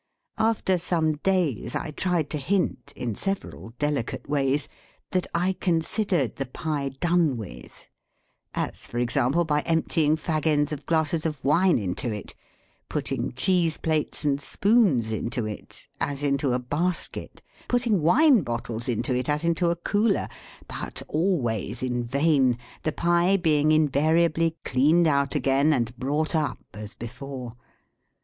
After some days I tried to hint, in several delicate ways, that I considered the pie done with; as, for example, by emptying fag ends of glasses of wine into it; putting cheese plates and spoons into it, as into a basket; putting wine bottles into it, as into a cooler; but always in vain, the pie being invariably cleaned out again and brought up as before.